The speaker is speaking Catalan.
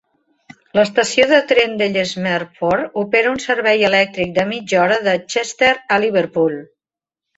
L'estació de tren d'Ellesmere Port opera un servei elèctric de mitja hora de Chester a Liverpool.